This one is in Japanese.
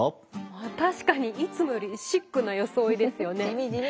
あっ確かにいつもよりシックな装いですよね。